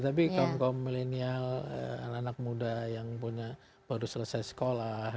tapi kaum kaum milenial anak anak muda yang punya baru selesai sekolah